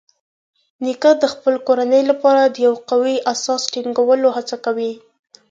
نیکه د خپل کورنۍ لپاره د یو قوي اساس ټینګولو هڅه کوي.